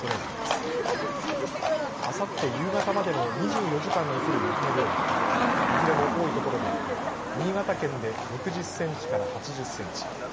あさって夕方までの２４時間に降る雪の量はいずれも多い所で新潟県で６０センチから８０センチ